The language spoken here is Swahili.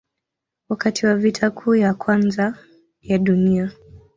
Wakati wa Vita Kuu ya Kwanza ya Dunia